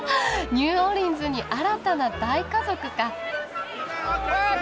ニューオーリンズに新たな大家族か。